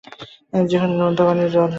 যেখানে নোনতা পানির হ্রদ রয়েছে।